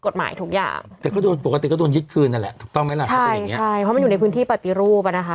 ใช่เพราะมันอยู่ในพื้นที่ปฏิรูปอะนะคะ